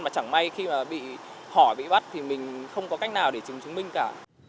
mà chẳng may khi mà bị hỏi bị bắt thì mình không có cách nào để chứng chứng minh cả